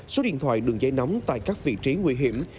số điện thoại đường dây nóng tại các vị trí nguy hiểm